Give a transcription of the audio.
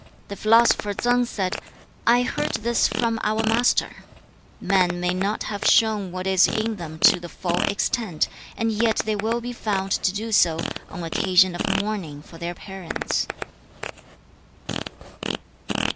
The philosopher Tsang said, 'I heard this from our Master: "Men may not have shown what is in them to the full extent, and yet they will be found to do so, on occasion of mourning for their parents."'